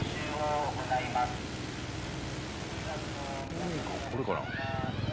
公民館これかな？